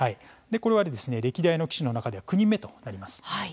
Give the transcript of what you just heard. これは歴代の棋士の中で９人目となります。